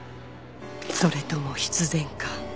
それとも必然か」